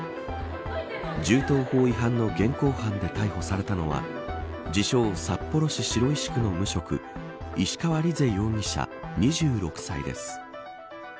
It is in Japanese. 銃刀法違反の現行犯で逮捕されたのは自称、札幌市白石区の無職石川莉世容疑者、２６歳です。